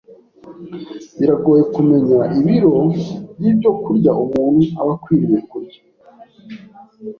Biragoye kumenya ibiro by’ibyokurya umuntu aba akwiriye kurya.